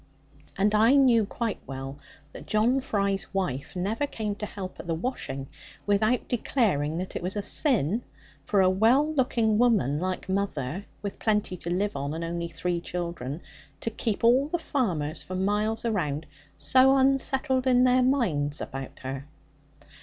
And I knew quite well that John Fry's wife never came to help at the washing without declaring that it was a sin for a well looking woman like mother, with plenty to live on, and only three children, to keep all the farmers for miles around so unsettled in their minds about her.